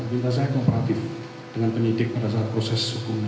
minta saya kooperatif dengan penyidik pada saat proses hukum